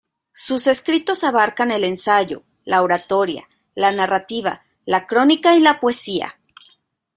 Sus escritos abarcan el ensayo, la oratoria, la narrativa; la crónica y la poesía.